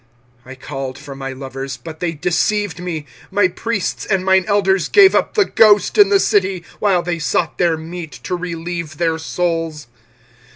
25:001:019 I called for my lovers, but they deceived me: my priests and mine elders gave up the ghost in the city, while they sought their meat to relieve their souls.